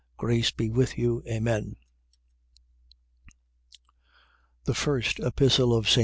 Grace be with you. Amen. THE FIRST EPISTLE OF ST.